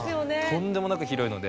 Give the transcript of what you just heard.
とんでもなく広いので。